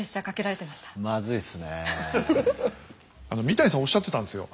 三谷さんおっしゃってたんですよ。